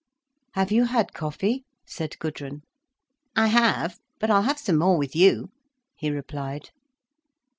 "Have you had coffee?" said Gudrun. "I have, but I'll have some more with you," he replied.